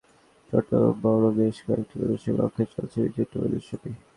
কিন্তু গেল শুক্রবার থেকে শহরের ছোট-বড় বেশ কয়েকটি প্রদর্শনীকক্ষে চলছে বিচিত্র প্রদর্শনী।